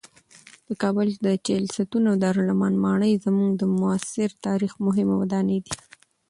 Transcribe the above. د کابل د چهلستون او دارالامان ماڼۍ زموږ د معاصر تاریخ مهمې ودانۍ دي.